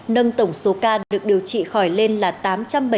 nâng tổng số ca được điều trị khỏi lên là tám trăm bảy mươi chín trăm chín mươi bảy ca